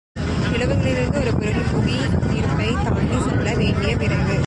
நிலவுலகிலிருந்து ஒரு பொருள் புவி ஈர்ப்பைத் தாண்டிச் செல்ல வேண்டிய விரைவு.